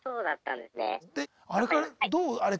であれからどう？